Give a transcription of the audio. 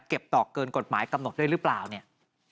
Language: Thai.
ต่อเกินกฎหมายกำหนดด้วยหรือเปล่าเนี่ย